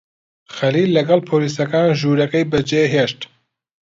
خەلیل لەگەڵ پۆلیسەکان ژوورەکەی بەجێهێشت.